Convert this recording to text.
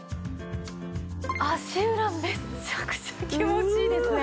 足裏めちゃくちゃ気持ちいいですね。